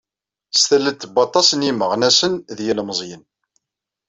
S tallelt n waṭas n yimeɣnasen d yilemẓiyen.